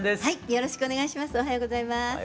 よろしくお願いします。